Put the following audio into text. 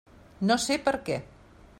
No sé per què.